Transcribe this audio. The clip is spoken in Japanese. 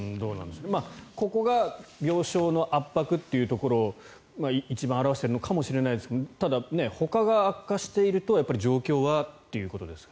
ここが病床の圧迫というところを一番表しているのかもしれないですけどただ、他が悪化していると状況はということですよね。